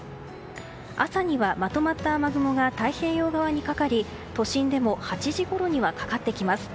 朝には、まとまった雨雲が太平洋側にかかり都心でも８時ごろにはかかってきます。